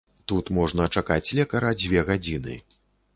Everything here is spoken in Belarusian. Тут можна чакаць лекара дзве гадзіны.